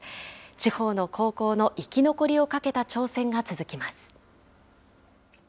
地方の高校の生き残りをかけた挑戦が続きます。